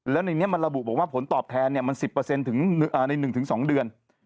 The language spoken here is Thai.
แล้วในนี้มันระบุบอกว่าผลตอบแทนมัน๑๐ถึงใน๑๒เดือน